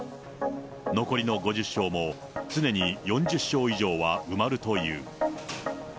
残りの５０床も常に４０床以上は埋まるという。